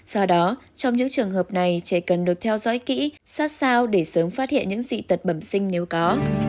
do đó trong những trường hợp này trẻ cần được theo dõi kỹ sát sao để sớm phát hiện những dị tật bẩm sinh nếu có